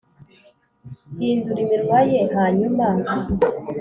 hindura iminwa ye, hanyuma